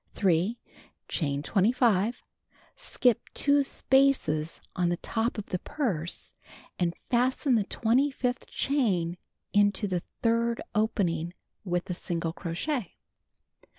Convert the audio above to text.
3. Chain 25. Skip 2 spaces on the top of the purse, and fasten the twenty fifth chain into the thu'd opening with a single crochet.